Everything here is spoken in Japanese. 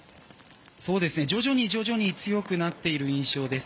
徐々に徐々に強くなっている印象です。